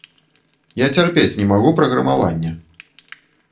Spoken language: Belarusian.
Я цярпець не магу праграмаванне.